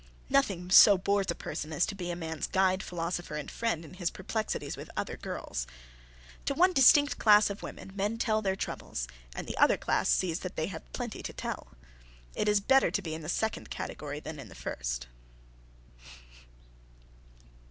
Nothing so bores a person as to be a man's "guide, philosopher and friend" in his perplexities with other girls. To one distinct class of women men tell their troubles and the other class sees that they have plenty to tell. It is better to be in the second category than in the first.